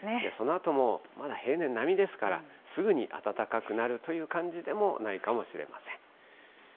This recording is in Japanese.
そのあともまだ平年並みですから、すぐに暖かくなるという感じでもないかもしれません。